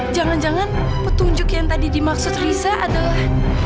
jangan jangan petunjuk yang tadi dimaksud risa adalah